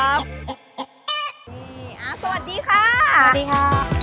สวัสดีค่ะสวัสดีค่ะสวัสดีค่ะ